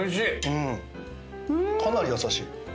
うーん！かなり優しい。